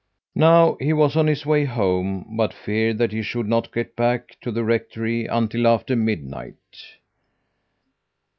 Now he was on his way home, but feared that he should not get back to the rectory until after midnight.